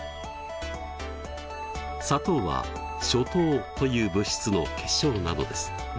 砂糖はショ糖という物質の結晶なのです。